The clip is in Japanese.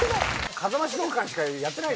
風間指導官しかやってない。